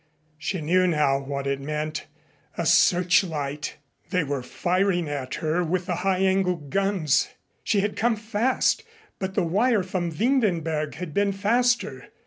She knew now what it meant a searchlight! They were firing at her with the high angle guns. She had come fast, but the wire from Windenberg had been faster.